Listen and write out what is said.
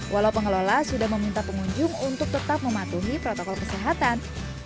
walau pengelola sudah meminta pengunjung untuk tetap mematuhi protokol kesehatan